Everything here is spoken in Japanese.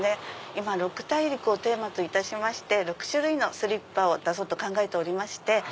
今六大陸をテーマといたしまして６種類のスリッパを出そうと考えておりまして。